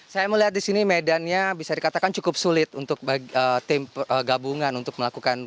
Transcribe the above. saya melihat di sini medannya bisa dikatakan cukup sulit untuk tim gabungan untuk melakukan